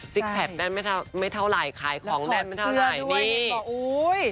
ซิกแพ็คแน่นไม่เท่าไหร่ขายของไม่เท่าไหร่นี่แล้วพอเชื้อด้วย